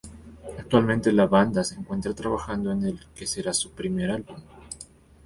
Actualmente la banda se encuentra trabajando en el que será su primer álbum.